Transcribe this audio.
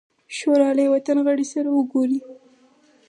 شورا له یوه تن غړي سره وګوري.